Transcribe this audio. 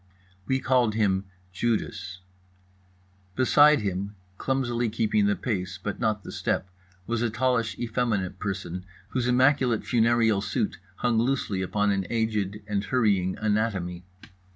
We called him Judas. Beside him, clumsily keeping the pace but not the step, was a tallish effeminate person whose immaculate funereal suit hung loosely upon an aged and hurrying anatomy.